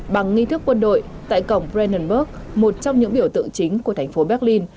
bằng nghi thức quân đội tại cổng branburg một trong những biểu tượng chính của thành phố berlin